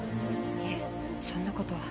いえそんな事は。